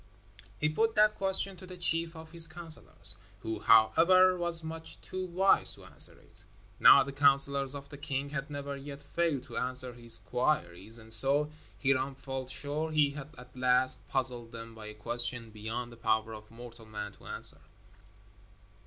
He put that question to the chief of his counselors, who, however, was much too wise to answer it. Now the counselors of the king had never yet failed to answer his queries, and so Hiram felt sure he had at last puzzled them by a question beyond the power of mortal man to answer.